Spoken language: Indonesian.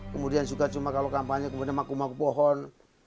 kemudian juga cuma kalau kampanye kemudian maku maku pohon